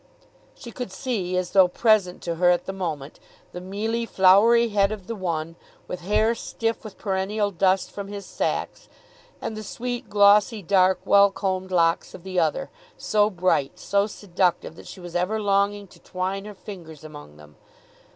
She could see, as though present to her at the moment, the mealy, floury head of the one, with hair stiff with perennial dust from his sacks, and the sweet glossy dark well combed locks of the other, so bright, so seductive, that she was ever longing to twine her fingers among them.